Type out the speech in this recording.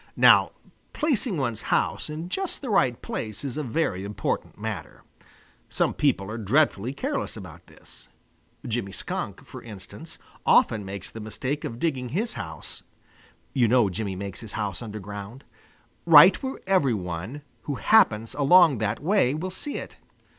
Now placing one's house in just the right place is a very important matter. Some people are dreadfully careless about this. Jimmy Skunk, for instance, often makes the mistake of digging his house (you know Jimmy makes his house underground) right where every one who happens along that way will see it.